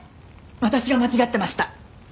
私が間違ってました。